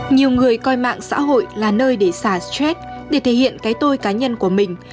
nhiều người coi mạng xã hội là nơi để giả stress để thể hiện cái tôi cá nhân của mình